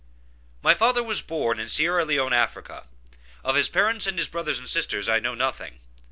My father was born in Sierra Leone, Africa. Of his parents and his brothers and sisters I know nothing.